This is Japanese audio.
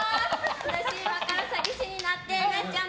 今から詐欺師になってなっちゃん